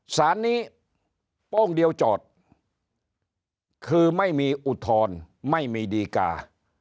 สารนี้โป้งเดียวจอดคือไม่มีอุทธรณ์ไม่มีดีกา